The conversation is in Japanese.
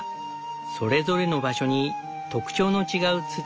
それぞれの場所に特徴の違う土がある。